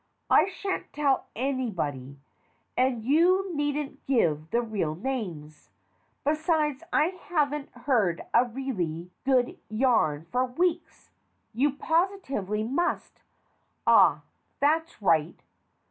I shan't tell anybody, and you needn't give the real names. Besides, I haven't heard a really good yarn for weeks. You positively must. Ah, that's right.